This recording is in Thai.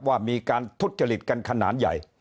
ว่ามีการทุจริตกันขนาดใหญ่